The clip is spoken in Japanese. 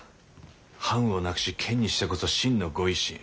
藩をなくし県にしてこそ真の御一新。